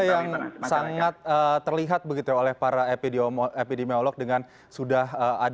yang sangat terlihat begitu oleh para epidemiolog epidemiolog dengan sudah ada di posisinya stagnan